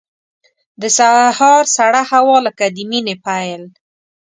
د سهار سړه هوا لکه د مینې پیل.